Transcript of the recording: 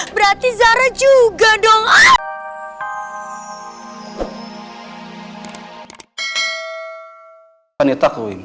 berarti zara juga dong